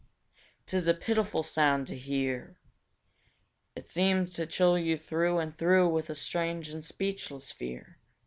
'Tis a pitiful sound to hear! It seems to chill you through and through With a strange and speechless fear.